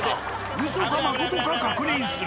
ウソかまことか確認する。